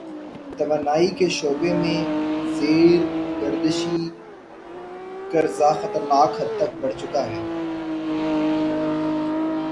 توانائی کے شعبے میں زیر گردشی قرضہ خطرناک حد تک بڑھ چکا ہے۔